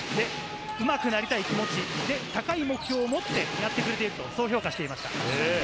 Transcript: うまくなりたい気持ち、高い目標を持ってやってくれていると評価していました。